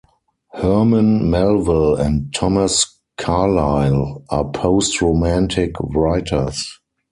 Herman Melville and Thomas Carlyle are post-Romantic writers.